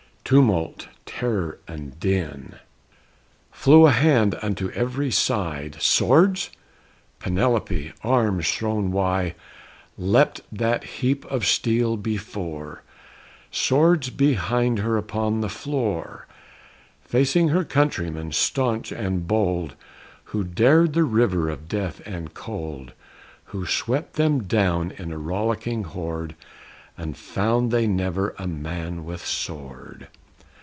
_" Tumult, terror, and din! Flew a hand unto every side, Swords? Penelope, arms thrown wide Leapt that heap of steel before; Swords behind her upon the floor; Facing her countrymen staunch and bold, Who dared the river of death and cold, Who swept them down on a rollicking horde, And found they never a man with sword!